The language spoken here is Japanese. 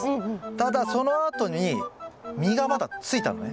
ただそのあとに実がまだついたのね。